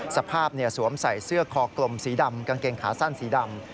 สวมใส่เสื้อคอกลมสีดำกางเกงขาสั้นสีดำ